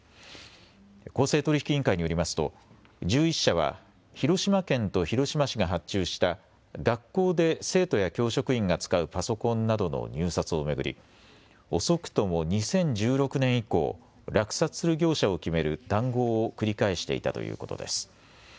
公正取引委員会によりますと１１社は広島県と広島市が発注した学校で生徒や教職員が使うパソコンなどの入札を巡り遅くとも２０１６年以降、落札する業者を決める談合を繰り返していたということです。